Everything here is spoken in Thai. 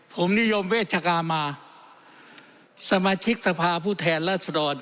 ผมนิยมเวชกามาสมาชิกสภาพูดแทนและสดด